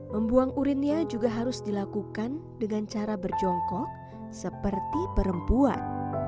membuang urinnya juga harus dilakukan dengan cara berjongkok seperti perempuan